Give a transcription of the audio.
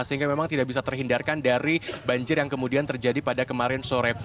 sehingga memang tidak bisa terhindarkan dari banjir yang kemudian terjadi pada kemarin sore